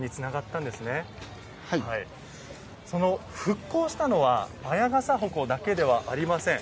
その復興したのは綾傘鉾だけではありません。